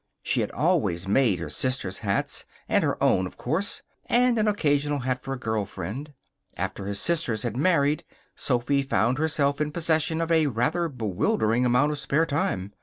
She had always made her sisters' hats, and her own, of course, and an occasional hat for a girl friend. After her sisters had married, Sophy found herself in possession of a rather bewildering amount of spare time.